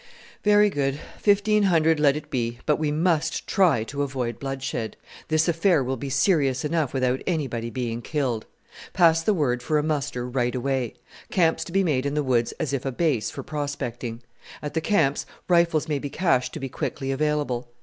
"Very good; fifteen hundred let it be; but we must try to avoid bloodshed. This affair will be serious enough without anybody being killed. Pass the word for a muster right away; camps to be made in the woods as if a base for prospecting. At the camps rifles may be cached to be quickly available.